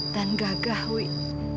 dan gagah wih